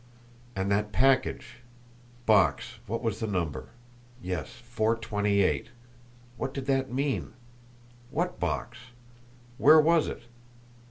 And that package! Box what was the number? yes, 428. What did that mean? What box? Where was it?